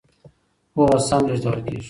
پوهه سم لېږدول کېږي.